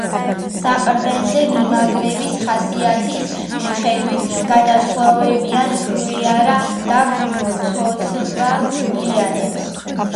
საყრდენზე მიმაგრების ხასიათის მიხედვით განასხვავებენ ხვიარა და მცოცავ ლიანებს.